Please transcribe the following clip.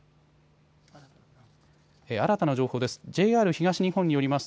新たな情報です。